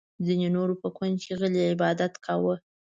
ځینې نورو په کونج کې غلی عبادت کاوه.